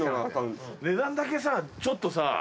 値段だけさちょっとさ